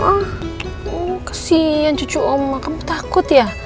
oh kasihan cucu oma kamu takut ya